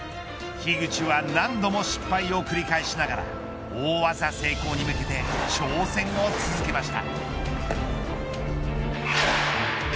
樋口は何度も失敗を繰り返しながら大技成功に向けて挑戦を続けました。